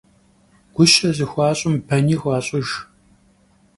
Guşe zıxuaş'ım beni xuaş'ıjj.